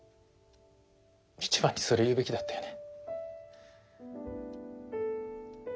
一番にそれ言うべきだったよね。